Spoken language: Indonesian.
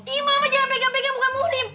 ih mama jangan pegang pegang bukan muhlim